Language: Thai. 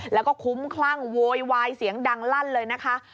แล้วก็คุ้มคลั่งโวยวายเสียงดังลั่นเลยนะคะ